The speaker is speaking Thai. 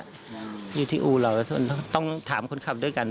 อยู่ที่อู่เราต้องถามคนขับด้วยกัน